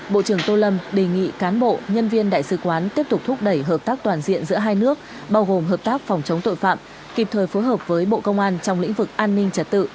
bộ trưởng tô lâm đề nghị cán bộ nhân viên đại sứ quán tiếp tục thúc đẩy hợp tác toàn diện giữa hai nước bao gồm hợp tác phòng chống tội phạm kịp thời phối hợp với bộ công an trong lĩnh vực an ninh trật tự